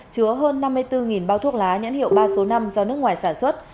chứa hơn năm mươi bốn bao thuốc lá nhãn hiệu ba số năm do nước ngoài sản xuất